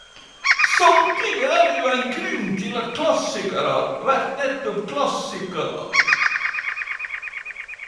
Samtidig er det jo ein grunn til at klassikarar vert nettopp klassikarar.